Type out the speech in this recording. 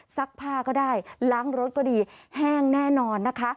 ซักผ้าก็ได้ล้างรถก็ดีแห้งแน่นอนนะคะ